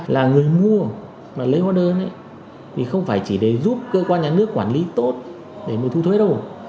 là người mua mà lấy hóa đơn thì không phải chỉ để giúp cơ quan nhà nước quản lý tốt để mà thu thuế đâu